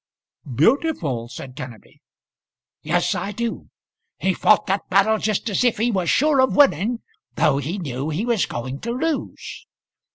"Beautiful!" said Kenneby. "Yes, I do. He fought that battle just as if he was sure of winning, though he knew he was going to lose.